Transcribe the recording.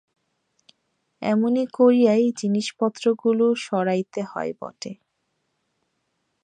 এমনি করিয়াই জিনিসপত্রগুলো সরাইতে হয় বটে!